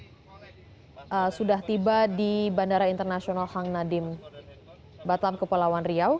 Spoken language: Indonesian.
gambar kecil sekali lagi yang anda saksikan saat ini itu adalah gambar terkini dari bandara internasional hang nadiem batam kepulauan riau